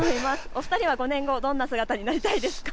お二人は５年後、どんな姿になりたいですか。